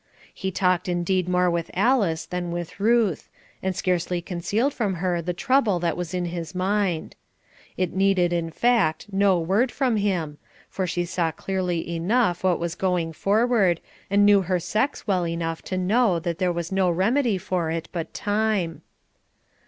He talked indeed more with Alice than with Ruth, and scarcely concealed from her the trouble that was in his mind. It needed, in fact, no word from him, for she saw clearly enough what was going forward, and knew her sex well enough to know there was no remedy for it but time.